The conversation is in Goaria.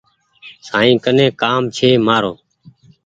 سائين ڪن ڪآم ڇي مآرو ۔